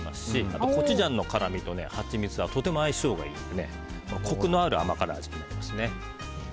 あとコチュジャンの辛みとハチミツはとても相性がいいのでコクのある甘辛味になりますね。